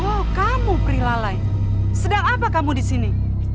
oh kamu pri lalai sedang apa kamu di sini